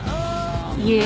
いえ。